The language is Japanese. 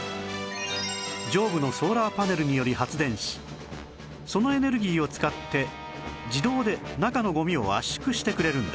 上部のソーラーパネルにより発電しそのエネルギーを使って自動で中のゴミを圧縮してくれるんです